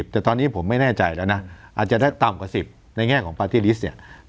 แต่ตอนนี้ผมไม่แน่ใจแล้วนะอาจจะได้ต่ำกว่า๑๐ในแง่ของปาร์ตี้ลิสต์เนี่ย